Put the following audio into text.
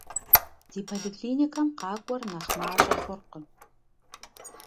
Ди поликлиникэм къакӀуэр нэхъ мащӀэ хъуркъым.